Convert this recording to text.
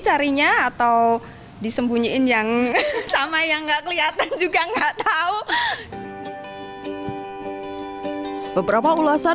carinya atau disembunyiin yang sama yang enggak kelihatan juga enggak tahu beberapa ulosan